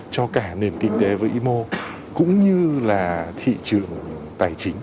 cho cả nền kinh tế và y mô cũng như là thị trường tài chính